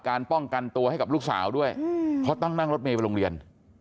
ป้องกันตัวให้กับลูกสาวด้วยเพราะต้องนั่งรถเมย์ไปโรงเรียน